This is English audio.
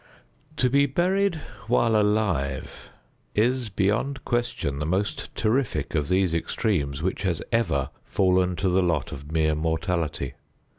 To be buried while alive is, beyond question, the most terrific of these extremes which has ever fallen to the lot of mere mortality.